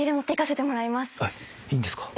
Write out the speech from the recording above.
えっいいんですか？